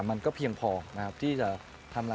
คุณต้องเป็นผู้งาน